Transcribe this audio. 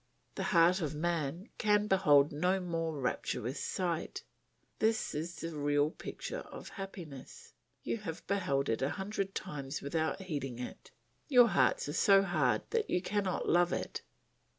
The heart of man can behold no more rapturous sight; this is the real picture of happiness; you have beheld it a hundred times without heeding it; your hearts are so hard that you cannot love it.